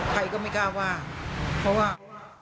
ใครก็ไม่กล้าว่าเพราะว่า